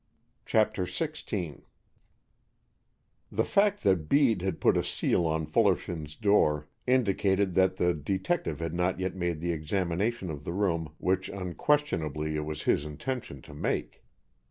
CHAPTER XVI THE fact that Bede had put a seal on Fullerton's door indicated that the detective had not yet made the examination of the room which unquestionably it was his intention to make.